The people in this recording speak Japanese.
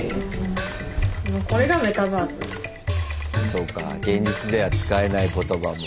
そうか現実では使えない言葉も。